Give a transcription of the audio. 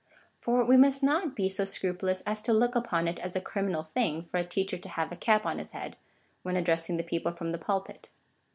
For we must not be so scrupulous as to look upon it as a criminal thing for a teacher to have a cap on his head, when addressing the people from the pulpit.